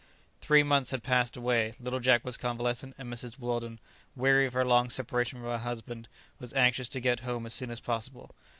Three months had passed away, little Jack was convalescent, and Mrs. Weldon, weary of her long separation from her husband, was anxious to get home as soon as possible.